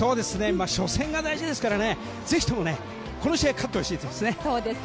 初戦が大事ですからぜひともこの試合勝ってほしいですね。